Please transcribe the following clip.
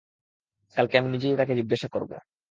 কালকে আমি নিজেই তাকে জজ্ঞাসা করব।